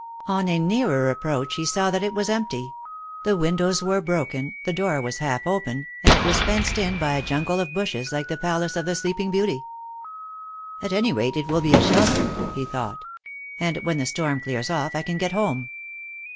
On a nearer approach he saw that it was empty; the windows were broken, the door was half open, and it was fenced in by a jungle of bushes like the palace of the Sleeping Beauty. "At any rate it will be a shelter," he thought; "and when the storm clears off I can get home.